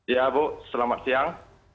ya bu selamat siang